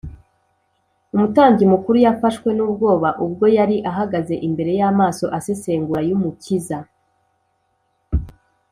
umutambyi mukuru yafashwe n’ubwoba ubwo yari ahagaze imbere y’amaso asesengura y’umukiza